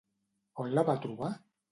On la va trobar?